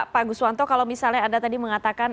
pak guswanto kalau misalnya anda tadi mengatakan